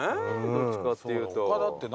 どっちかっていうと。